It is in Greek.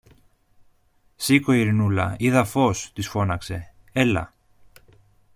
Σήκω, Ειρηνούλα, είδα φως, της φώναξε. Έλα!